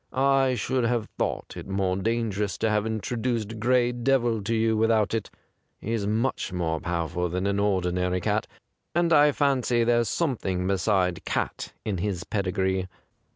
I should have thought it more dangerous to have introduced Gray Devil to you without it. He's much more powerful than an ordi nary cat, and I fancy there's some thing beside cat in his pedigree.